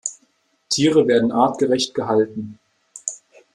Tiere werden artgerecht gehalten.